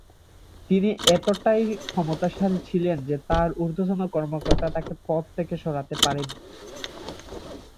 তিনি এতটাই ক্ষমতাশালী ছিলেন যে তার ঊর্ধ্বতন কর্তা তাকে পদ থেকে সরাতে পারেননি।